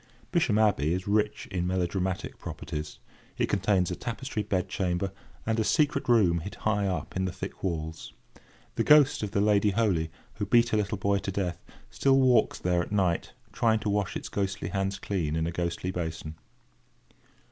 Bisham Abbey is rich in melodramatic properties. It contains a tapestry bed chamber, and a secret room hid high up in the thick walls. The ghost of the Lady Holy, who beat her little boy to death, still walks there at night, trying to wash its ghostly hands clean in a ghostly basin.